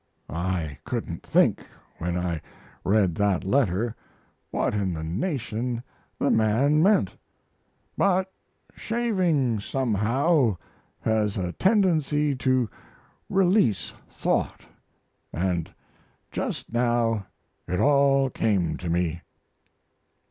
I couldn't think, when I read that letter, what in the nation the man meant, but shaving somehow has a tendency to release thought, and just now it all came to me."